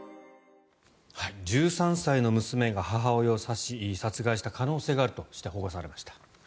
１３歳の娘が母親を刺し殺害した可能性があるとして保護されました。